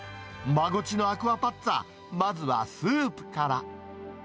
マゴチのアクアパッツァ、まずはスープから。